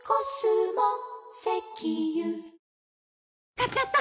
買っちゃった！